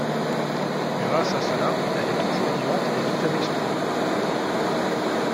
Grâce à cela, elle est toujours vivante et vit avec son époux.